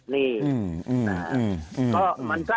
เนี่ย